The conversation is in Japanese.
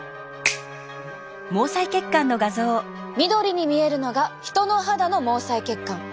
緑に見えるのが人の肌の毛細血管。